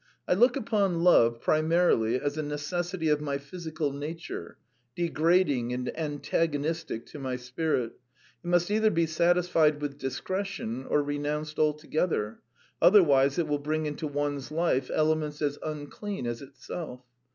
I look upon love primarily as a necessity of my physical nature, degrading and antagonistic to my spirit; it must either be satisfied with discretion or renounced altogether, otherwise it will bring into one's life elements as unclean as itself.